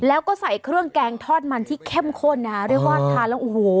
แล้วก็ใส่เครื่องแกงทอดมันที่เข้มข้นนะคะเรียกว่าทานแล้วโอ้โห